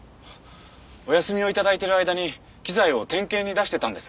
お休みを頂いてる間に機材を点検に出してたんです。